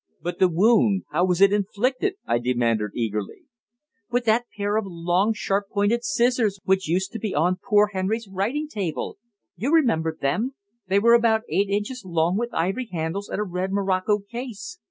"But the wound how was it inflicted?" I demanded eagerly. "With that pair of long, sharp pointed scissors which used to be on poor Henry's writing table. You remember them. They were about eight inches long, with ivory handles and a red morocco case.